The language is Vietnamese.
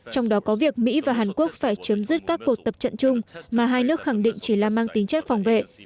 trong đó có việc mỹ và hàn quốc phải chấm dứt các cuộc tập trận chung mà hai nước khẳng định chỉ là mang tính chất phòng vệ